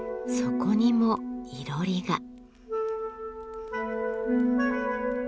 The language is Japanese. そこにもいろりが。